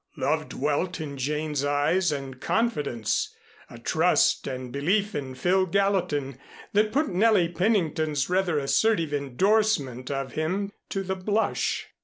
Love dwelt in Jane's eyes and confidence, a trust and belief in Phil Gallatin that put Nellie Pennington's rather assertive indorsement of him to the blush.